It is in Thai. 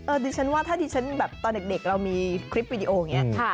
ดิฉันว่าถ้าดิฉันแบบตอนเด็กเรามีคลิปวิดีโออย่างนี้